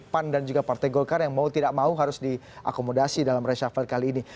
pan dan juga partai golkar yang mau tidak mau harus diakomodasi dalam reshuffle kali ini